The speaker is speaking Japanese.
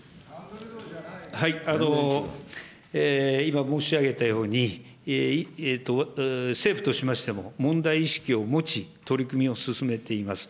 今、申し上げたように、政府としましても問題意識を持ち、取り組みを進めています。